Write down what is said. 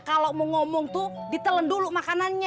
kalau mau ngomong tuh ditelen dulu makanannya